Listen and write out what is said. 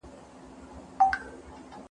د الله رحمتونه مو په سر.